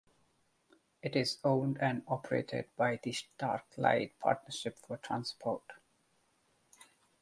It is owned and operated by the Strathclyde Partnership for Transport.